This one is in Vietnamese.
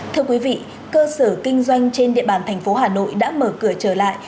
thưa quý vị cơ sở kinh doanh trên địa bàn thành phố hà nội đã mở cửa trở lại